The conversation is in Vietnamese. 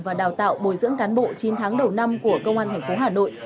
và đào tạo bồi dưỡng cán bộ chín tháng đầu năm của công an tp hà nội